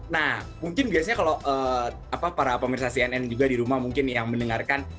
nah mungkin biasanya kalau para pemerintah cnn juga di rumah mungkin yang mendengarkan